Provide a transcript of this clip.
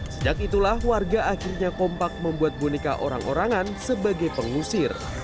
sejak itulah warga akhirnya kompak membuat boneka orang orangan sebagai pengusir